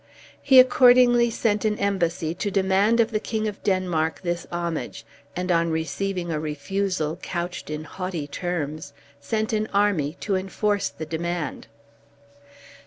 He accordingly sent an embassy to demand of the king of Denmark this homage, and on receiving a refusal, couched in haughty terms, sent an army to enforce the demand.